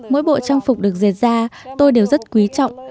mỗi bộ trang phục được diệt ra tôi đều rất quý trọng